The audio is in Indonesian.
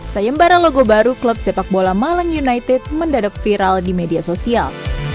sayembara logo baru klub sepak bola malang united mendadak viral di media sosial